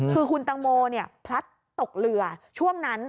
คือคุณตังโมพลัดตกเรือช่วงนั้น